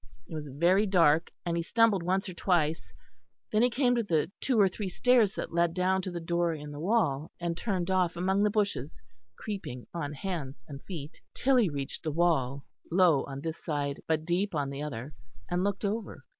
It was very dark, and he stumbled once or twice; then he came to the two or three stairs that led down to the door in the wall, and turned off among the bushes, creeping on hands and feet till he reached the wall, low on this side, but deep on the other; and looked over.